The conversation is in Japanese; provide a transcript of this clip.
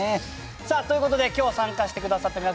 さあということで今日参加して下さった皆様